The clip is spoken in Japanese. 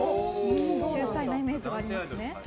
秀才なイメージがありますね。